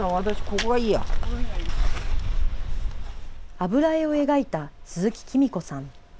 油絵を描いた、鈴木喜美子さん。